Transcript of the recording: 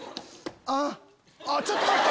ああっあっちょっと待って！